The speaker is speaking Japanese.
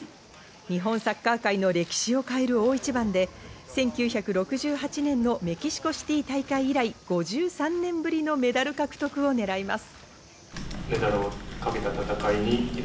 日本サッカー界の歴史を変える大一番で１９６８年のメキシコシティー大会以来、５３年ぶりのメダル獲得をねらいます。